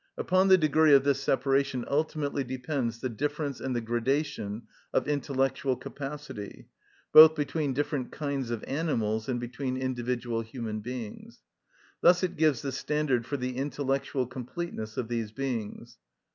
Upon the degree of this separation ultimately depends the difference and the gradation of intellectual capacity, both between different kinds of animals and between individual human beings; thus it gives the standard for the intellectual completeness of these beings.